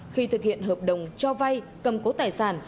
khi thực hiện hợp đồng cho vay cầm cố tài sản